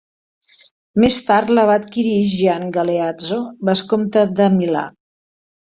Més tard la va adquirir Gian Galeazzo, Vescomte de Milà.